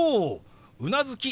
うなずき